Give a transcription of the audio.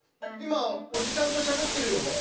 今おじさんとしゃべってるよ。